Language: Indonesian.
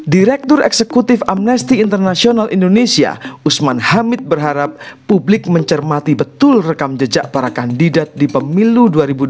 direktur eksekutif amnesty international indonesia usman hamid berharap publik mencermati betul rekam jejak para kandidat di pemilu dua ribu dua puluh